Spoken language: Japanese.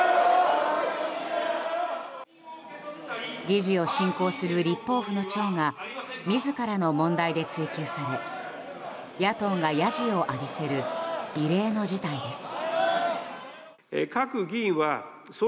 議事を進行する立法府の長が自らの問題で追及され野党がやじを浴びせる異例の事態です。